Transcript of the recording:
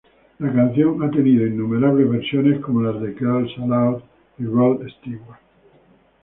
La canción ha tenido innumerables versiones como las de: Girls Aloud y Rod Stewart.